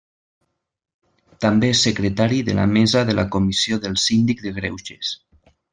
També és secretari de la mesa de la Comissió del Síndic de Greuges.